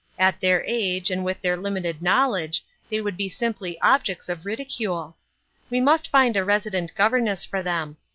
At their age, and with their limited knowledge, they would be simply objecta of ridicale. We must find a resident governess for them.